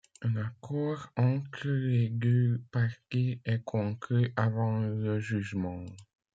Un accord entre les deux parties est conclu avant le jugement.